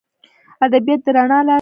ادبیات د رڼا لار ده.